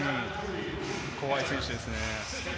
怖い選手ですね。